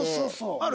ある？